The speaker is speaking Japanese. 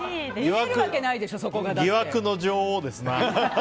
疑惑の女王ですね。